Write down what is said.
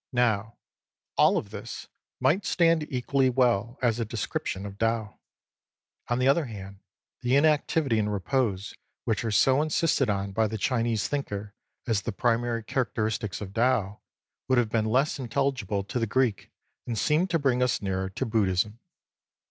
Now, all of this might stand equally well as a description of Tao. On the other hand, the inactivity and repose which are so insisted on by the Chinese thinker as the primary characteristics of Tao, would have been less intelligible to the Greek, and seem to bring us nearer to Buddhism.